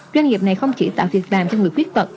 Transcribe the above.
doanh nghiệp này không chỉ tạo việc làm cho người khuyết tật